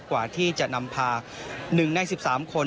กว่าที่จะนำพา๑ใน๑๓คน